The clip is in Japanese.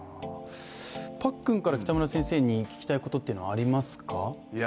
パックンから北村先生に聞きたいことはありますか？